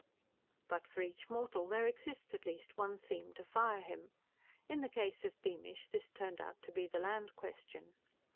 But for each mortal there exists at least one theme to fire him. In the case of Beamish this turned out to be the Land Question.